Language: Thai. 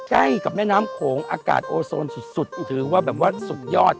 ใกล้กับแม่น้ำโขงอากาศโอโซนสุดถือว่าแบบว่าสุดยอด